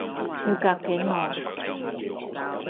要隔幾耐？